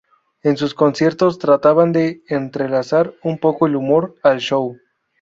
En sus conciertos trataban de entrelazar un poco de humor al show.